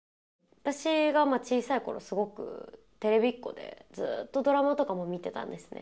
私が小さい頃すごくテレビっ子でずっとドラマとかも見てたんですね